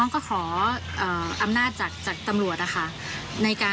เป็นวีดีโอมาเลยค่ะ